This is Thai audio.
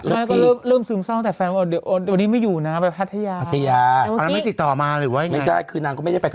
เอ้อเหรอคุณแม่ใวล์เรียกพี่อ่ะ